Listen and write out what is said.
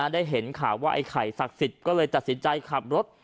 ได้เห็นข่าวว่าไอ้ไข่ศักดิ์สิทธิ์ก็เลยตัดสินใจขับรถ